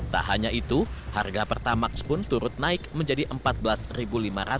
tak hanya itu harga pertamax pun turut naik menjadi rp empat belas lima ratus